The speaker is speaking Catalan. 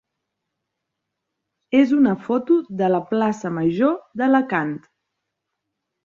és una foto de la plaça major d'Alacant.